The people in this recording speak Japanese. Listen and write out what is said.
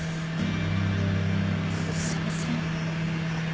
すいません。